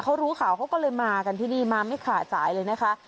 เขารู้ข่าวเขาก็เลยมากันที่นี่มาไม่ขาดสายเลยนะคะ